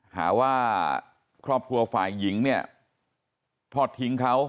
หาว่าครอบครัวฝ่ายหญิงเนี่ยทอดทิ้งเขา